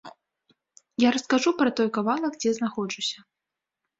Я раскажу пра той кавалак, дзе знаходжуся.